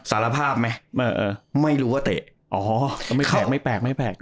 สารภาพไหมเออไม่รู้ว่าเตะอ๋อก็ไม่แปลกไม่แปลกไม่แปลก